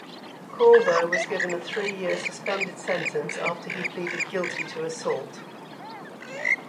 Corvo was given a three-year suspended sentence after he pleaded guilty to assault.